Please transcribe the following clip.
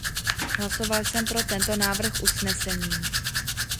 Hlasoval jsem pro tento návrh usnesení.